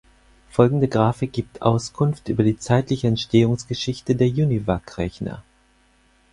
Folgende Grafik gibt Auskunft über die zeitliche Entstehungsgeschichte der Univac Rechner.